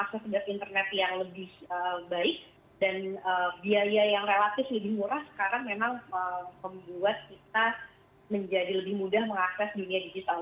akses internet yang lebih baik dan biaya yang relatif lebih murah sekarang memang membuat kita menjadi lebih mudah mengakses dunia digital